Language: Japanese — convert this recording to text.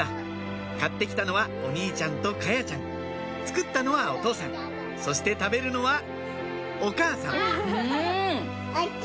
買って来たのはお兄ちゃんと華彩ちゃん作ったのはお父さんそして食べるのはお母さんうん！